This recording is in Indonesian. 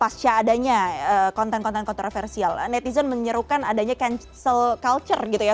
pasca adanya konten konten kontroversial netizen menyerukan adanya cancel culture gitu ya